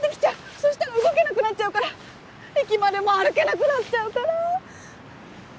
そしたら動けなくなっちゃうから駅までも歩けなくなっちゃうから。